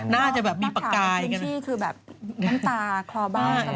น่าจะมีปากกายก่อนที่คือแบบม้นตาคลอเบ้า